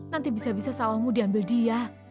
nanti bisa bisa sawahmu diambil dia